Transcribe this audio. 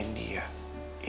sekarang kamu ngomelin dia